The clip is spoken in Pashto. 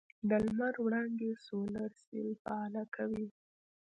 د لمر وړانګې سولر سیل فعاله کوي.